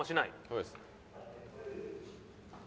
そうです。